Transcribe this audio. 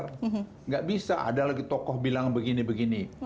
tidak bisa ada lagi tokoh bilang begini begini